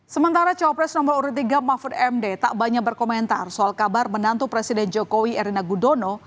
sementara cawapres nomor urut tiga mahfud md tak banyak berkomentar soal kabar menantu presiden jokowi erina gudono